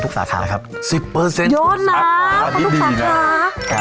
๑๐ทุกสาขาครับนี่ดีมากครับย้อนน้ำ